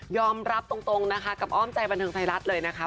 ยอมรับตรงกับอ้อมใจพันธุ์เภยรัฐเลยนะคะ